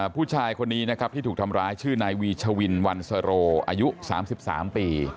ผู้ชายคนนี้นะครับที่ถูกทำร้ายชื่อนายวีชวินวันสโรอายุ๓๓ปี